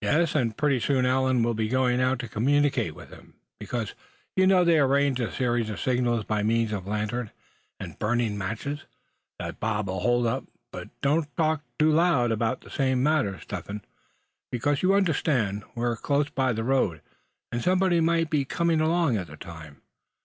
"Yes, and pretty soon Allan will be going out to communicate with him, because, you know they arranged a series of signals by means of the lantern, and burning matches that Bob'll hold up. But don't talk too loud about that same matter, Step Hen; because, you understand, we're close by the road; and somebody might be coming along at the time.